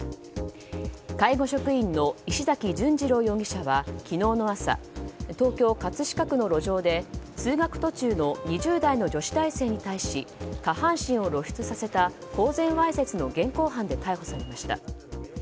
介護職員の石崎順二朗容疑者は昨日の朝東京・葛飾区の路上で通学途中の２０代の女子大生に対し下半身を露出させた公然わいせつの現行犯で逮捕されました。